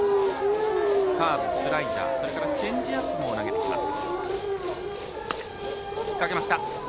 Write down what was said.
カーブ、スライダーはそれからチェンジアップも投げてきます。